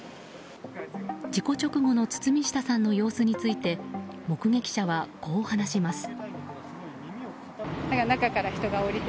事故直後の堤下さんの様子について目撃者は、こう話します。